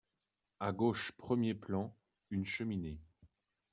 À gauche, premier plan, une cheminée.